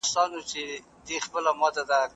هغې ویلي چې انرژي باید دوامداره وي.